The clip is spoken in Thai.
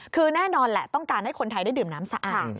คือแน่นอนแหละต้องการให้คนไทยได้ดื่มน้ำสะอาด